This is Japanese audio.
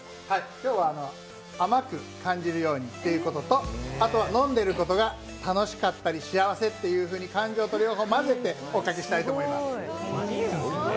今日は甘く感じるようにということと飲んでいることが楽しかったり幸せという感情と両方混ぜておかけしたいと思います。